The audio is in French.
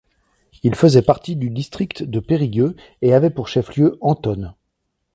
Il faisait partie du district de Perigueux et avait pour chef-lieu Antonne.